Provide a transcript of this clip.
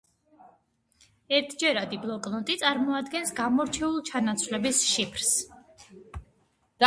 ერთჯერადი ბლოკნოტი წარმოადგენს გამორჩეულ ჩანაცვლების შიფრს.